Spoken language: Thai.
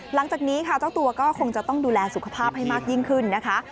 หลังจากนี้ค่ะเจ้าตัวก็คงจะต้องดูแลสุขภาพให้มากยิ่งขึ้นนะคะ